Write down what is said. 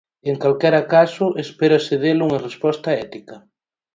En calquera caso, espérase del unha resposta ética.